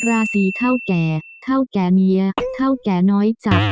ราศีเท่าแก่เท่าแก่เมียเท่าแก่น้อยจัด